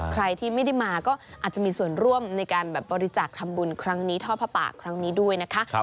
ใครที่ไม่ได้มาก็อาจจะมีส่วนร่วมในการบริจาคทำบุญครั้งนี้ท่อผ้าป่าครั้งนี้ด้วยนะคะ